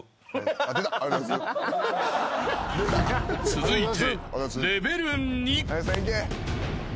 ［続いて］